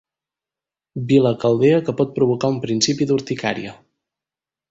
Vila caldea que pot provocar un principi d'urticària.